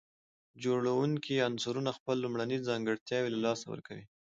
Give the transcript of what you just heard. جوړونکي عنصرونه خپل لومړني ځانګړتياوي له لاسه ورکوي.